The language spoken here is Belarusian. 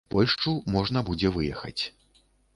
Польшчу можна будзе выехаць.